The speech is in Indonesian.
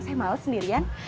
saya males sendirian